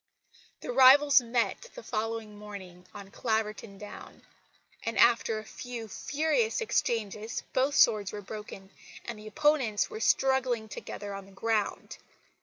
The rivals met the following morning on Claverton Down; and after a few furious exchanges both swords were broken, and the opponents were struggling together on the ground.